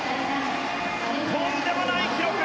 とんでもない記録！